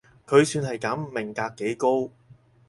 佢算係噉，命格幾高